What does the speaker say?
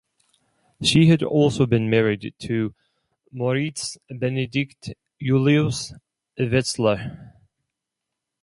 She had also been married to Moritz Benedikt Julius Wetzlar.